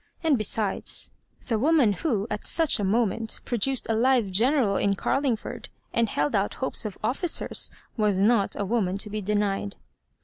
And besides^ the woman who at such a moment produced a live General in Carlingford, and held out hopes of officers, was not a woman to be denied.